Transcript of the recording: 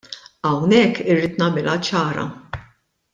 Hawnhekk irrid nagħmilha ċara.